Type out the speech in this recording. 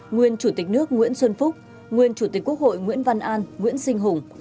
nguyên chủ tịch nước nguyễn xuân phúc nguyên chủ tịch quốc hội nguyễn văn an nguyễn sinh hùng